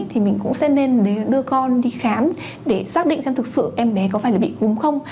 thì mình cũng sẽ nên đưa con đi khám để xác định xem thực sự em bé có phải bị cúm không